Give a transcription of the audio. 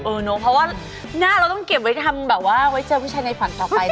เพราะว่าหน้าเราต้องเก็บไว้ทำแบบว่าไว้เจอผู้ชายในฝันต่อไป